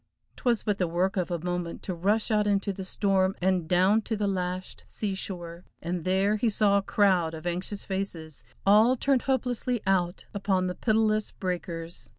'Twas but the work of a moment to rush out into the storm and down to the lashed sea shore and there, he saw a crowd of anxious faces all turned hopelessly out upon the pitiless breakers.